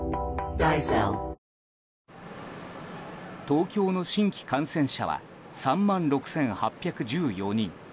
東京の新規感染者は３万６８１４人。